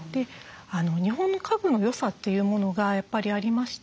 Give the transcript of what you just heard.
日本の家具の良さというものがやっぱりありまして